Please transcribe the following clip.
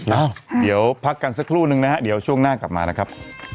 อ้าวเดี๋ยวพักกันสักครู่นึงนะฮะเดี๋ยวช่วงหน้ากลับมานะครับ